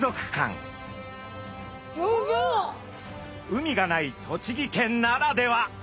海がない栃木県ならでは！